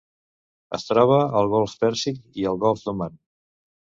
Es troba al Golf Pèrsic i al Golf d'Oman.